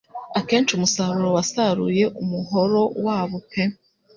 Akenshi umusaruro wasaruye umuhoro wabo pe